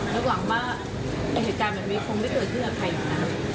และหวังว่าเหตุการณ์แบบนี้คงไม่เกิดขึ้นกับใครอีกนะ